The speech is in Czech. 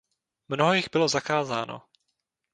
Mnoho jich bylo zakázáno.